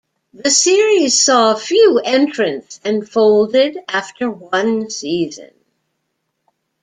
The series saw few entrants and folded after one season.